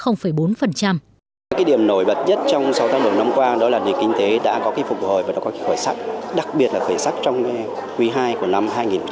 nó thì hiện qua kinh tế đã có phục vội và khởi sắc đặc biệt là khởi sắc trong quý ii của năm hai nghìn một mươi bảy